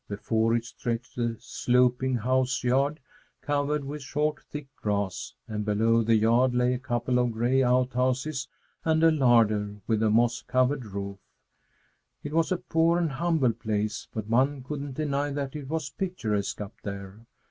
Before it stretched a sloping house yard covered with short, thick grass; and below the yard lay a couple of gray outhouses and a larder with a moss covered roof. It was a poor and humble place, but one couldn't deny that it was picturesque up there.